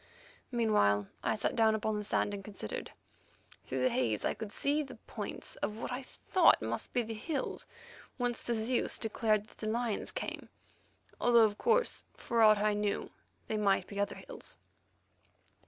Meanwhile I sat down upon the sand and considered. Through the haze I could see the points of what I thought must be the hills whence the Zeus declared that the lions came, although of course, for aught I knew, they might be other hills.